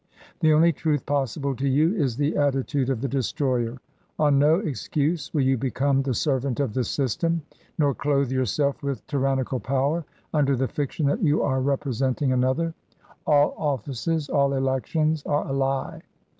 The only truth possible to you is the attitude of the destroyer. On no excuse will you become the servant of the system, nor clothe yourself with tyranni cal power under the fiction that you are representing another ; all offices, all elections, are a lie.